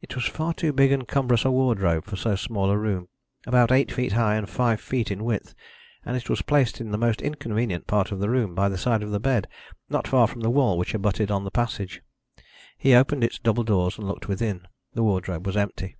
It was far too big and cumbrous a wardrobe for so small a room, about eight feet high and five feet in width, and it was placed in the most inconvenient part of the room, by the side of the bed, not far from the wall which abutted on the passage. He opened its double doors and looked within. The wardrobe was empty.